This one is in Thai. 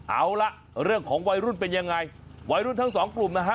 เอาล่ะเรื่องของวัยรุ่นเป็นยังไงวัยรุ่นทั้งสองกลุ่มนะฮะ